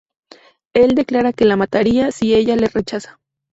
Él declara que la mataría si ella le rechaza.